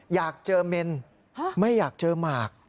อยากเจอเมนไม่อยากเจอหมาก